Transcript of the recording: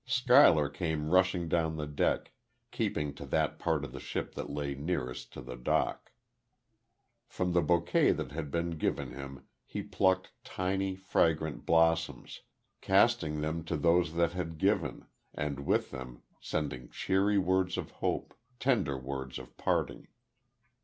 Schuyler came rushing down the deck, keeping to that part of the ship that lay nearest to the dock. From the bouquet that had been given him, he plucked tiny, fragrant blossoms, casting them to those that had given, and with them sending cheery word of hope, tender word of parting.